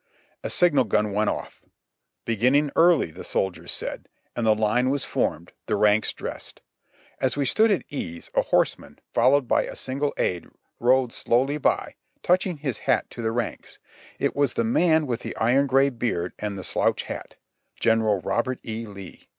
A signal gun went off! "Beginning early," the soldiers said; and the line was formed, the ranks dressed. As we stood at ease, a horseman, followed by a single aide, rode slowly by, touching his hat to the ranks; it was the man with the iron gray beard and the sJouch hat. General Robert E. Lee.